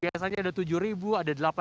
biasanya ada tujuh ribu ada delapan ribu